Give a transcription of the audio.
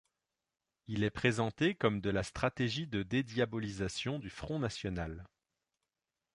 Il est présenté comme de la stratégie de dédiabolisation du Front national.